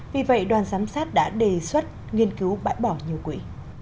vì vậy đoàn giám sát đã đề xuất nghiên cứu bãi bỏ nhiều quỹ